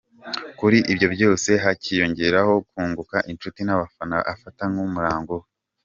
Kuri ibyo byose hakiyongeraho kunguka inshuti n’abafana afata nk’umurango we.